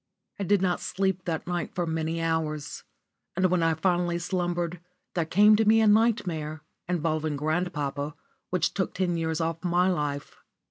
*_ I did not sleep that night for many hours, and when I finally slumbered there came to me a nightmare, involving grandpapa, which took ten years off my life.